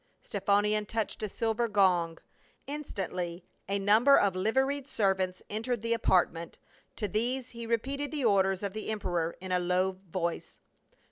Stephanion touched a silver gong. Instantly a number of liveried servants entered the apartment ; to these he repeated the orders of the emperor in a low voice.